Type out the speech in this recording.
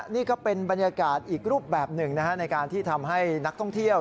นี่ก็เป็นบรรยากาศอีกรูปแบบหนึ่งในการที่ทำให้นักท่องเที่ยว